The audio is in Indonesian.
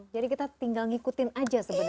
jadi kita tinggal ngikutin aja sebenarnya